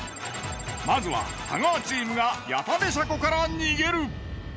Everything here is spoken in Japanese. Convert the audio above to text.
まずは太川チームが谷田部車庫から逃げる。